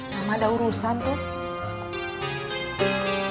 mama ada urusan tuh